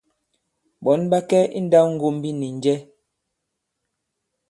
Ɓɔ̌n ɓa kɛ i nndāwŋgombi nì njɛ ?